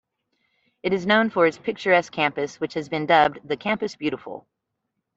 It is known for its picturesque campus which has been dubbed "The Campus Beautiful".